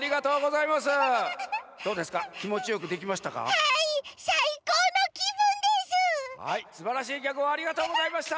はいすばらしいギャグをありがとうございました！